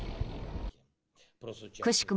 くしくも